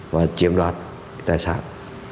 và chiếm đoạt tài sản